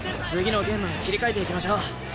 次のゲーム切り替えていきましょう。